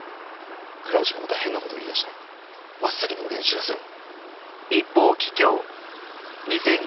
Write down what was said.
倉内がまた変なことを言いだしたら真っ先に俺に知らせろ。